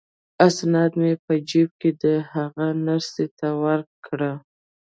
اسناد مې په جیب کې دي، هغه نرسې ته ورکړه.